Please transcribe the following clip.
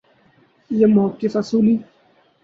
یہ موقف اصولی